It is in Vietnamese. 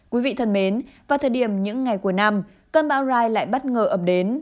quý vị thân mến vào thời điểm những ngày cuối năm cơn bão rai lại bất ngờ ập đến